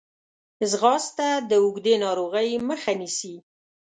ځغاسته د اوږدې ناروغۍ مخه نیسي